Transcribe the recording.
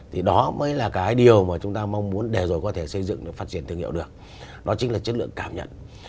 thì đó mới là cái điều mà chúng ta mong muốn để rồi có thể xây dựng được phát triển thương hiệu được đó chính là chất lượng cảm nhận